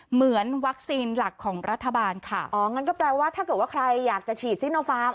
เหมือนวัคซีนหลักของรัฐบาลค่ะอ๋องั้นก็แปลว่าถ้าเกิดว่าใครอยากจะฉีดซิโนฟาร์ม